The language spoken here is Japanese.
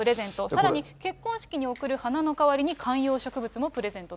さらに結婚式に贈る花の代わりに観葉植物もプレゼントと。